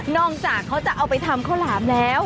จากเขาจะเอาไปทำข้าวหลามแล้ว